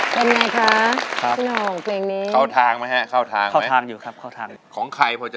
วันต้องรับคำสัยัพราช